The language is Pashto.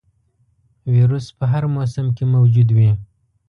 ویروس په هر موسم کې موجود وي.